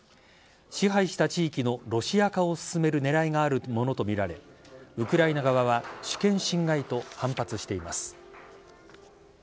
支配した地域のロシア化を進める狙いがあるものとみられウクライナ側は主権侵害と反発しています。